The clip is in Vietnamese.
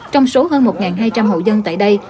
trong số hơn một hai trăm linh hộ dân tại đây